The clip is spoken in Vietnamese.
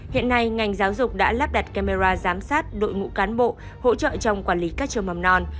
hiện nay ngành giáo dục đã lắp đặt camera giám sát đội ngũ cán bộ hỗ trợ trong quản lý các trường mầm non